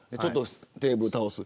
テーブルを倒す。